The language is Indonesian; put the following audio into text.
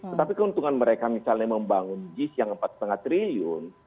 tetapi keuntungan mereka misalnya membangun jis yang empat lima triliun